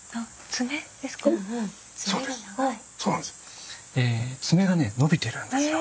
爪がね伸びてるんですよ。